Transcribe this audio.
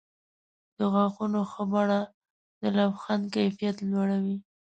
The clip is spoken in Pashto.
د غاښونو ښه بڼه د لبخند کیفیت لوړوي.